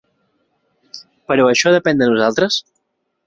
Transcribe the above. Però això depèn de nosaltres?